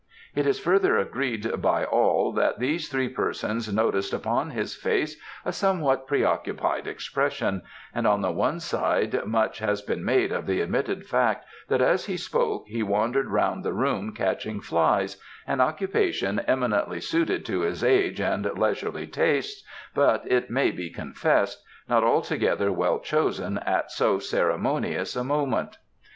It is further agreed by all that these three persons noticed upon his face a somewhat preoccupied expression, and on the one side much has been made of the admitted fact that as he spoke he wandered round the room catching flies, an occupation eminently suited to his age and leisurely tastes but, it may be confessed, not altogether well chosen at so ceremonious a moment.